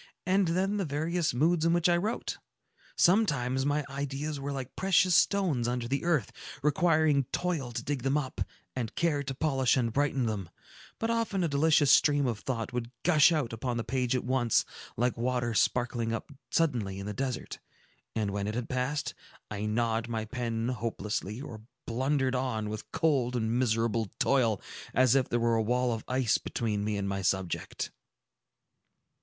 "And then the various moods in which I wrote! Sometimes my ideas were like precious stones under the earth, requiring toil to dig them up, and care to polish and brighten them; but often a delicious stream of thought would gush out upon the page at once, like water sparkling up suddenly in the desert; and when it had passed, I gnawed my pen hopelessly, or blundered on with cold and miserable toil, as if there were a wall of ice between me and my subject."